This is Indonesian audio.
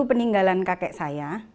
itu peninggalan kakek saya